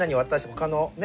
他のね